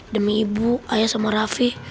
demi ibu ayah sama raffi